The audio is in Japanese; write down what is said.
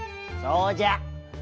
そうじゃ。